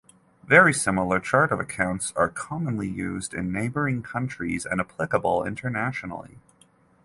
Very similar chart of accounts are commonly used in neighbouring countries and applicable internationally.